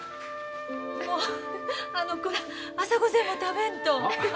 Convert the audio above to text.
もうあの子ら朝ご膳も食べんと。